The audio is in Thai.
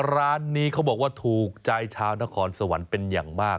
ร้านนี้เขาบอกว่าถูกใจชาวนครสวรรค์เป็นอย่างมาก